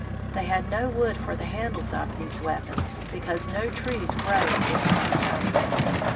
They had no wood for the handles of these weap ons, because no trees grow in this cold country.